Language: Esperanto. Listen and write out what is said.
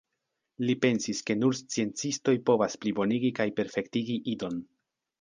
Li pensis ke nur sciencistoj povas plibonigi kaj perfektigi Idon.